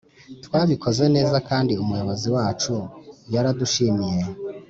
Twabikoze neza kandi umuyobozi wacu nyaradushimiye